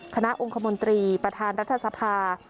องค์คมนตรีประธานรัฐสภา